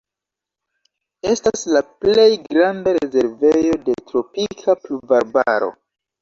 Estas la plej granda rezervejo de tropika pluvarbaro.